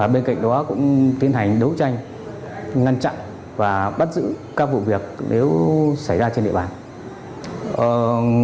bên cạnh đó cũng tiến hành đấu tranh ngăn chặn và bắt giữ các vụ việc nếu xảy ra trên địa bàn